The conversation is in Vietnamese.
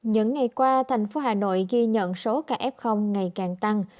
những ngày qua thành phố hà nội ghi nhận số ca f ngày càng tăng